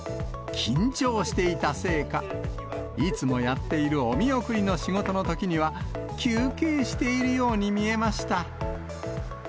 緊張していたせいか、いつもやっているお見送りの仕事のときには、休憩しているように見えました。